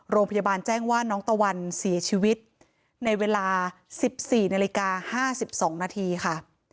โรงพยาบาลแจ้งว่าน้องตะวันเสียชีวิตในเวลา๑๔นาฬิกา๕๒นาทีค่ะ